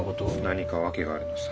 何か訳があるのさ。